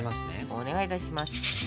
お願いいたします。